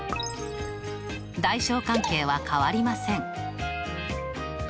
大小関係は変わりません。